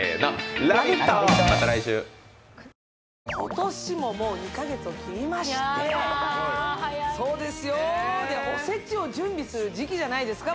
今年ももう２カ月を切りましてやーだー早いそうですよでおせちを準備する時期じゃないですか？